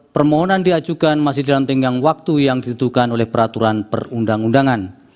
permohonan diajukan masih dalam tenggang waktu yang ditentukan oleh peraturan perundang undangan